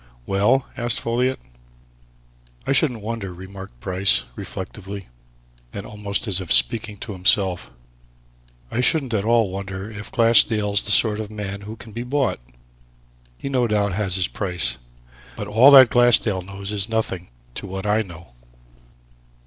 "Well?" asked Folliot. "I shouldn't wonder," remarked Bryce, reflectively, and almost as if speaking to himself, "I shouldn't at all wonder if Glassdale's the sort of man who can be bought. He, no doubt, has his price. But all that Glassdale knows is nothing to what I know."